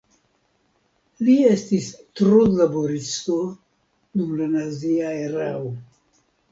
Li estis trudlaboristo dum la nazia erao.